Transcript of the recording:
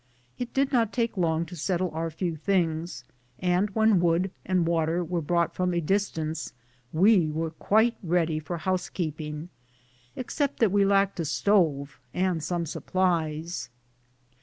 It did not take long to settle our few things, and when wood and water were brought from a distance we were quite ready for house keeping, except that we lacked a stove and some supplies.